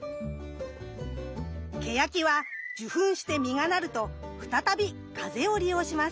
ケヤキは受粉して実がなると再び風を利用します。